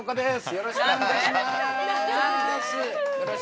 ◆よろしくお願いします。